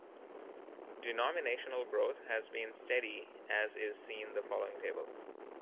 Denominational growth has been steady as is seen the following table.